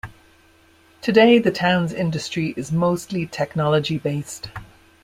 Today, the town's industry is mostly technology based.